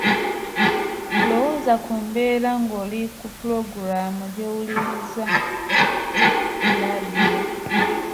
Lowooza ku mbeera ng’olina ppulogulaamu gy’owuliriza ku laadiyo.